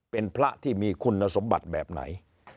เป็นพระที่มีคุณสมบัติแบบไหน